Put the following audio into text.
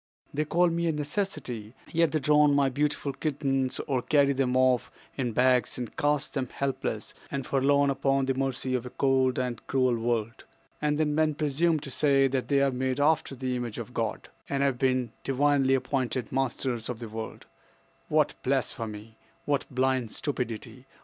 "They call me a necessity, yet they drown my beautiful kittens, or carry them off in bags and cast them helpless and forlorn upon the mercy of a cold and cruel world. And then men presume to say that they are made after the image of God, and have been divinely appointed masters of the world! What blasphemy! What blind stupidity!